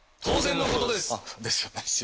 当然のことですあっですよね